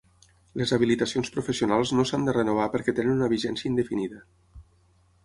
Les habilitacions professionals no s'han de renovar perquè tenen una vigència indefinida.